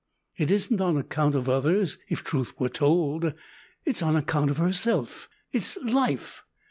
It isn't on account of others, if truth were told; it's on account of herself. It's life.